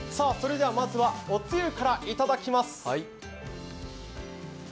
それではまずはおつゆからいただきます。